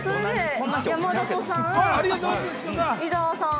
山里さん。